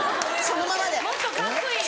もっとカッコいい役。